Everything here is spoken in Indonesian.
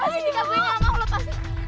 terus bel aku yang asli